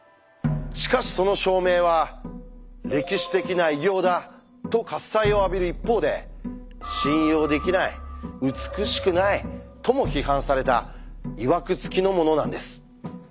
しかしその証明は「歴史的な偉業だ」と喝采を浴びる一方で「信用できない」「美しくない」とも批判されたいわくつきのものなんです。